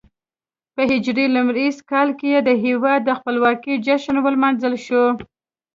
په هجري لمریز کال کې د هېواد د خپلواکۍ جشن ولمانځل شو.